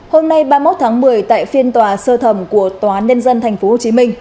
hôm nay ba mươi một tháng một mươi tại phiên tòa sơ thẩm của tòa nhân dân tp hcm